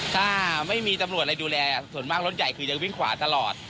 ถ้าไม่มีตำรวจอะไรดูแลส่วนมากรถใหญ่คือจะวิ่งขวาตลอด